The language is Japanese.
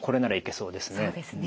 そうですね。